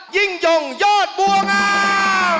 ยิ่งย่งโยชน์บัวงาม